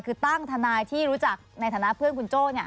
คือตั้งทนายที่รู้จักในฐานะเพื่อนคุณโจ้